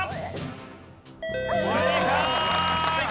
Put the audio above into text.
正解！